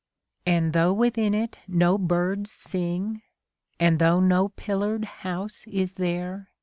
And though within it no birds sing. And though no pillared house is there.